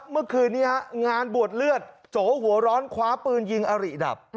เมื่อคืนนี้งานบวชเลือดโจหัวร้อนคว้าปืนยิงอริดับ